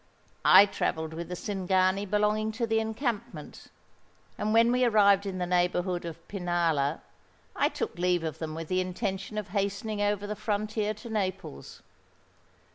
I travelled with the Cingani belonging to the encampment; and when we arrived in the neighbourhood of Pinalla, I took leave of them with the intention of hastening over the frontier to Naples.